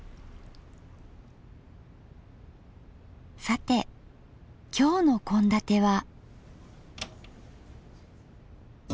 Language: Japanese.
さて今日の献立は。